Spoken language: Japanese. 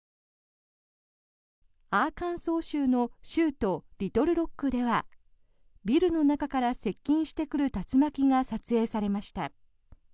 アーカンソー州の州都リトルロックではビルの中から接近してくる竜巻が撮影されました。